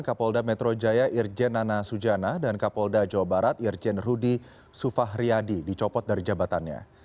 kapolda metro jaya irjen nana sujana dan kapolda jawa barat irjen rudy sufahriyadi dicopot dari jabatannya